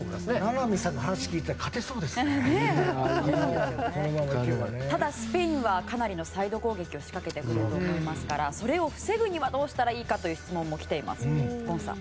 名波さんの話聞いてたらただ、スペインはかなりサイド攻撃を仕掛けてくると思いますのでそれを防ぐにはどうしたらいいかという質問も来ています、ゴンさん。